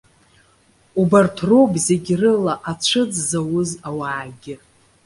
Убарҭ роуп, зегь рыла ацәыӡ зауз ауаагьы.